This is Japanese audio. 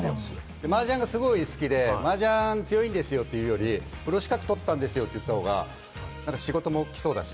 麻雀がすごく好きで、麻雀強いんですよというより、プロ資格とったんですよと言った方が仕事も来そうだし。